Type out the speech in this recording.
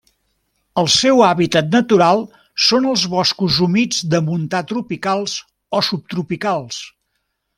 El seu hàbitat natural són els boscos humits de montà tropicals o subtropicals.